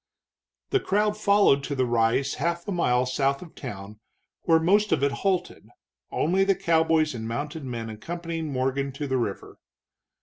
The crowd followed to the rise half a mile south of town, where most of it halted, only the cowboys and mounted men accompanying Morgan to the river.